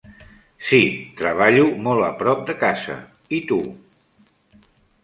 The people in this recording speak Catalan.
Sí, treballo molt a prop de casa. I tu?